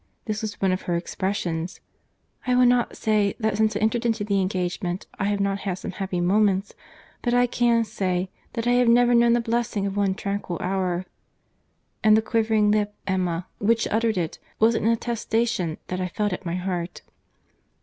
This was one of her expressions. 'I will not say, that since I entered into the engagement I have not had some happy moments; but I can say, that I have never known the blessing of one tranquil hour:'—and the quivering lip, Emma, which uttered it, was an attestation that I felt at my heart."